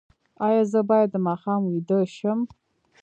ایا زه باید د ماښام ویده شم؟